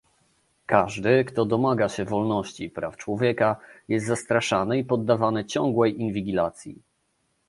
Każdy, kto domaga się wolności i praw człowieka, jest zastraszany i poddawany ciągłej inwigilacji